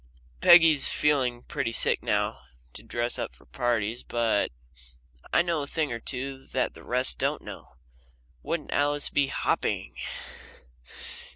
Peggy's feeling pretty sick now to dress up for parties, but I know a thing or two that the rest don't know. Wouldn't Alice be hopping!